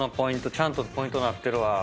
ちゃんとポイントなってるわ。